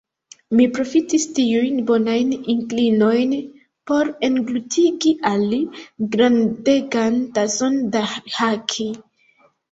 Mi profitis tiujn bonajn inklinojn por englutigi al li grandegan tason da rhaki.